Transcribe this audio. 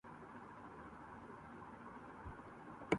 کبھی تو نہ توڑ سکتا اگر استوار ہوتا